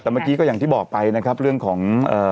แบบหลีกว่าอย่างที่บอกไปนะครับเรื่องของ